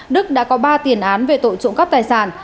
đức đã có ba tiền án về tội trộm cắp tài sản